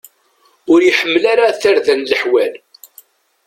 Ur iḥemmel ara tarda n leḥwal.